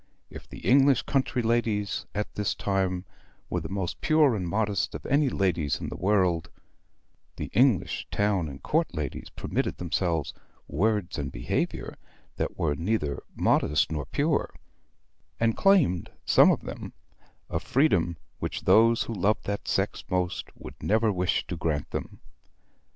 If the English country ladies at this time were the most pure and modest of any ladies in the world the English town and court ladies permitted themselves words and behavior that were neither modest nor pure; and claimed, some of them, a freedom which those who love that sex most would never wish to grant them.